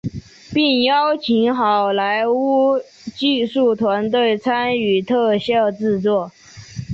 并邀请好莱坞技术团队参与特效制作。